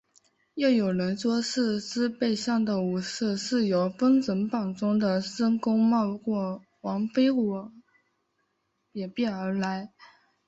又有人说是狮背上的武士是由封神榜中的申公豹或黄飞虎演变而来。